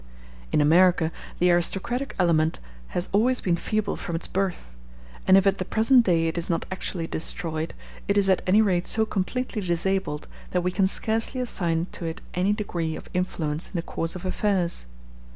In America the aristocratic element has always been feeble from its birth; and if at the present day it is not actually destroyed, it is at any rate so completely disabled that we can scarcely assign to it any degree of influence in the course of affairs.